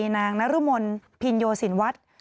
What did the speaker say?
นางนรมนพินโยสินวัฒน์